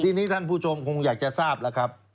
ทีนี้ท่านผู้ชมคงอยากจะทราบแล้วครับ